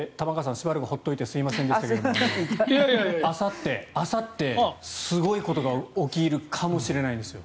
しばらく放っておいてすみませんでしたけどあさって、すごいことが起きるかもしれないんですよ。